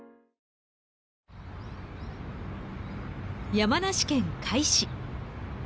山梨県甲斐市。